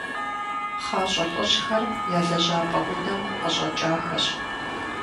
ПхъащӀэ лӀыжьхэр я лэжьапӀэ унэм къыщӀэкӀахэщ.